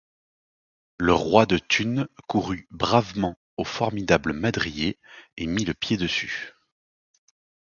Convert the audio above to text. Le roi de Thunes courut bravement au formidable madrier et mit le pied dessus.